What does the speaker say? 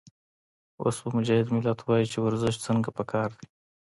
اوس به مجاهد ملت وائي چې ورزش څنګه پکار دے